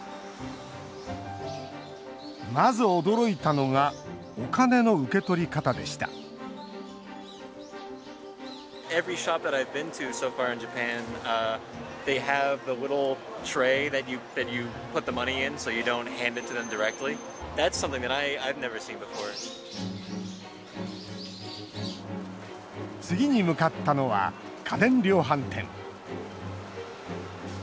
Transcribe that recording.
まず驚いたのがお金の受け取り方でした次に向かったのは家電量販店。